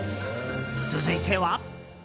続いては。